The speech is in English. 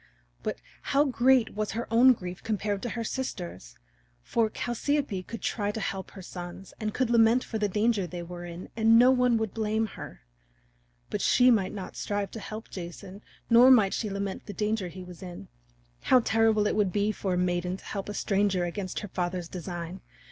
But how great was her own grief compared to her sister's! For Chalciope could try to help her sons and could lament for the danger they were in and no one would blame her. But she might not strive to help Jason nor might she lament for the danger he was in. How terrible it would be for a maiden to help a stranger against her father's design!